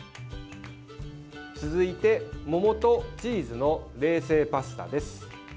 続いて桃とチーズの冷製パスタです。